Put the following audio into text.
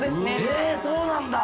へぇそうなんだ。